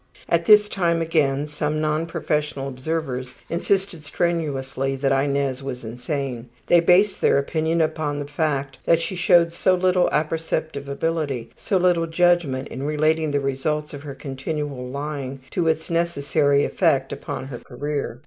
(At this time again some non professional observers insisted strenuously that Inez was insane. They based their opinion upon the fact that she showed so little apperceptive ability, so little judgment in relating the results of her continual lying to its necessary effect upon her career.)